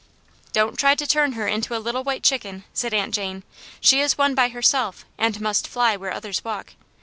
" Don't try to turn her into a little white chicken," said Aunt Jane. " She is one by herself, and must fly where others walk.